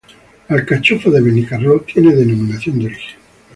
La alcachofa de Benicarló tiene denominación de origen.